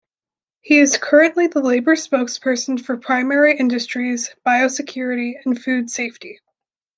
He is currently the Labour spokesperson for Primary Industries, Biosecurity and Food Safety.